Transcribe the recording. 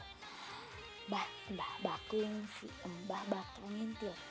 mbah mbah bakung si mbah bakung nyintil